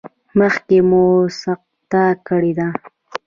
مخکې مو سقط کړی دی؟